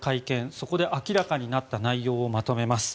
そこで明らかになった内容をまとめます。